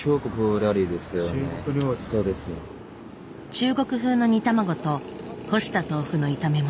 中国風の煮卵と干した豆腐の炒め物。